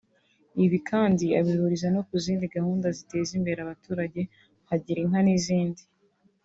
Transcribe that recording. Ibi kandi abihuriza no ku zindi gahunda ziteza imbere abaturage nka Girinka n’izindi